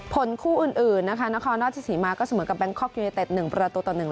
ผลคู่อื่นนะคะนาคอลนอร์ดจิสิมากก็เสมอกับแบงคอกยูเนเต็ดหนึ่งประตูต่อหนึ่ง